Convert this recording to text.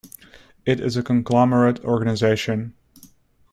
It is a conglomerate organization.